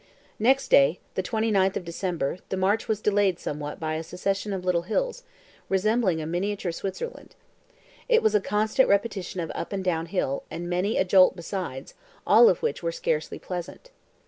Next day, the 29th of December, the march was delayed somewhat by a succession of little hills, resembling a miniature Switzerland. It was a constant repetition of up and down hill, and many a jolt besides, all of which were scarcely pleasant.